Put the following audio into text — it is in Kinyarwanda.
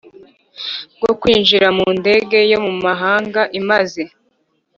Bwo kwinjira mu ndege yo mu mahanga imaze